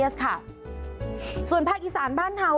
ฮัลโหลฮัลโหลฮัลโหล